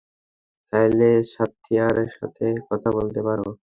চাইলে সাথ্যীয়ার সাথে কথা বলতে পারো।